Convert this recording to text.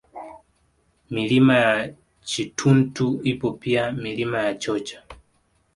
Milima ya Chituntu ipo pia Milima ya Chocha